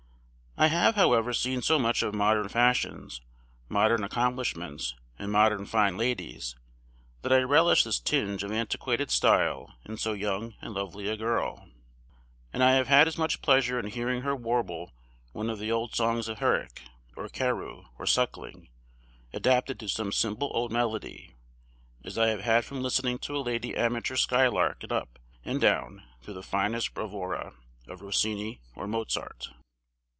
I have, however, seen so much of modern fashions, modern accomplishments, and modern fine ladies, that I relish this tinge of antiquated style in so young and lovely a girl; and I have had as much pleasure in hearing her warble one of the old songs of Herrick, or Carew, or Suckling, adapted to some simple old melody, as I have had from listening to a lady amateur skylark it up and down through the finest bravura of Rossini or Mozart.